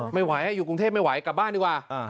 ไม่ไหวอยู่กรุงเทพไม่ไหวกลับบ้านดีกว่า